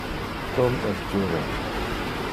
Tom es juvene.